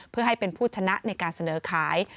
เพื่อให้เป็นผู้ชนะในการเสนอขาย